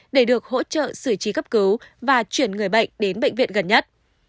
để được hỗ trợ xử trí cấp cứu và chuyển người bệnh đến bệnh viện gần nhất